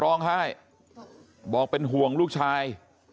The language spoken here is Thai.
ร้องไห้บอกเป็นห่วงลูกชาย